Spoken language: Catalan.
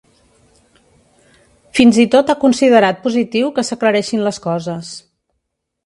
Fins i tot ha considerat positiu que s’aclareixin les coses.